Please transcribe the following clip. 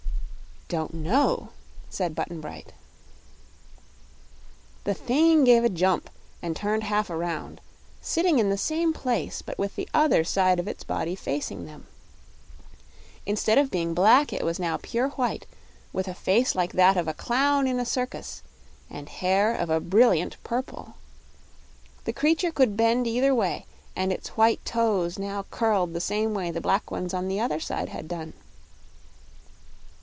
"Don't know," said Button Bright. The thing gave a jump and turned half around, sitting in the same place but with the other side of its body facing them. Instead of being black, it was now pure white, with a face like that of a clown in a circus and hair of a brilliant purple. The creature could bend either way, and its white toes now curled the same way the black ones on the other side had done.